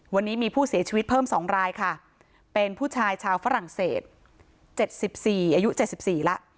วันนี้มีผู้เสียชีวิตเพิ่ม๒รายค่ะเป็นผู้ชายชาวฝรั่งเศส๗๔อายุ๗๔แล้ว